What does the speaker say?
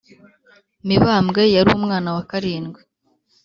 mibambwe yarumwana wa karindwi